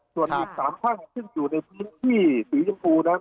ส่วนอีก๓ท่านซึ่งอยู่ในพื้นที่สีชมพูนั้น